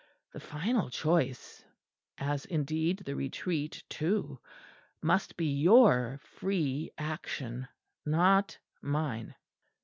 The final choice, as indeed the Retreat too, must be your free action, not mine."